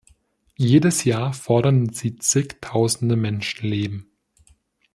Jedes Jahr fordern sie zig Tausende Menschenleben.